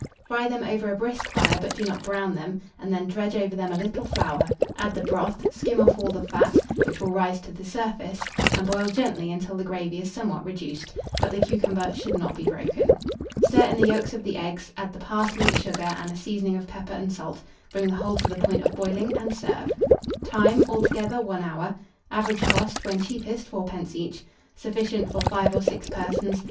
Fry them over a brisk fire, but do not brown them, and then dredge over them a little flour; add the broth, skim off all the fat, which will rise to the surface, and boil gently until the gravy is somewhat reduced; but the cucumber should not be broken. Stir in the yolks of the eggs, add the parsley, sugar, and a seasoning of pepper and salt; bring the whole to the point of boiling, and serve. Time. Altogether, 1 hour. Average cost, when cheapest, 4d. each. Sufficient for 5 or 6 persons.